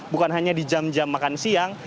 bukan hanya di jam jam makan siang